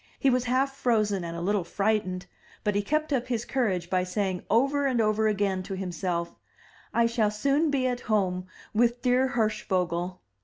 He was half frozen and a little frightened, but he kept up his courage by saying over and over again to himself, "I shall soon be at home with dear Hirschvogel.